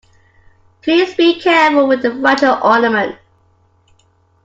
Please be careful with the fragile ornament.